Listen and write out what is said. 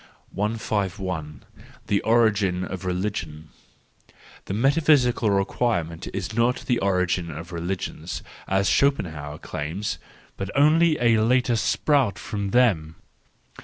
I 5 I The Origin of Religion .— The metaphysical requirement is not the origin of religions, as Schopenhauer claims, but only a later sprout from them.